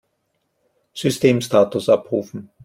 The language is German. Systemstatus abrufen!